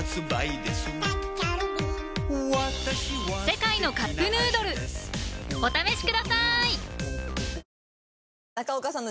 「世界のカップヌードル」お試しください！